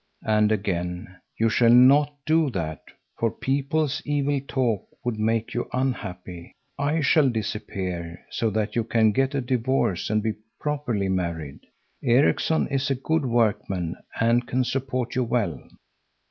And again: "You shall not do that, for people's evil talk would make you unhappy. I shall disappear, so that you can get a divorce and be properly married. Erikson is a good workman and can support you well."